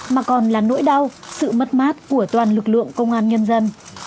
mà còn là nỗi đau sự mất mát của toàn lực lượng công an nhân dân